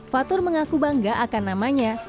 fatur mengaku bangga akan namanya